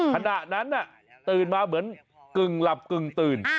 ขณะนั้นตื่นมาเหมือนกึ่งหลับกึ่งตื่น